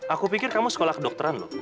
aku pikir kamu sekolah kedokteran loh